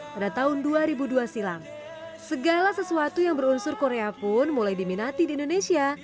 pada tahun dua ribu dua silam segala sesuatu yang berunsur korea pun mulai diminati di indonesia